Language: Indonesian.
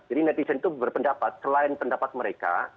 jadi netizen itu berpendapat selain pendapat mereka